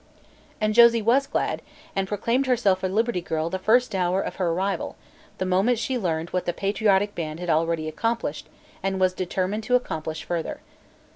And Josie was glad, and proclaimed herself a Liberty Girl the first hour of her arrival, the moment she learned what the patriotic band had already accomplished and was determined to accomplish further.